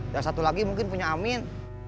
dan satu lagi mungkin punya amin